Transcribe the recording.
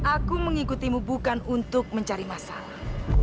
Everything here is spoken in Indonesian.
aku mengikutimu bukan untuk mencari masalah